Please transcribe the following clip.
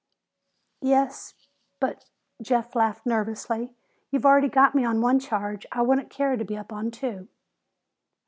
"Yes but," Jeff laughed nervously, "you've already got me on one charge. I wouldn't care to be up on two."